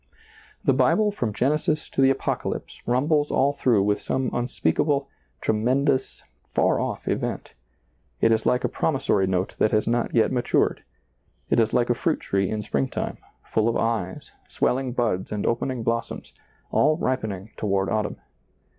The Bible from Genesis to the Apocalypse rum bles all through with some unspeakable, tremen dous, far off event ; it is like a promissory note that has not yet matured ; it is like a fruit tree in springtime, full of eyes, swelling buds and opening blossoms, all ripening toward autumn.